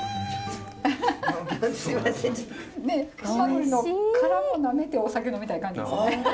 はまぐりの殻もなめてお酒飲みたい感じですよね。